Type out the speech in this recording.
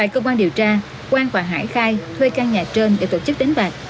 tại cơ quan điều tra quang và hải khai thuê căn nhà trên để tổ chức đánh bạc